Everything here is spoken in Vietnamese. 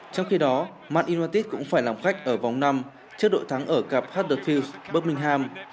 trong khi đó man utd cũng phải làm khách ở vòng năm trước đội thắng ở cặp huddersfield birmingham